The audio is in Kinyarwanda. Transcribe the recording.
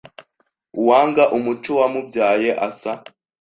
Uwanga umuco wamubyaye Asa